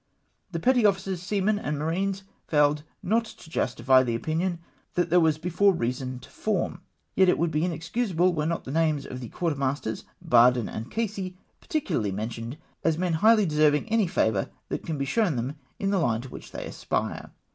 The petty officers, seamen, and marines failed not to justify the opinion that there was before reason to form ; yet it would be inexcusable were not the names of the quartermasters Barden and Casey particu larly mentioned, as men highly deserving any favour that can be shown in the line to which they aspire.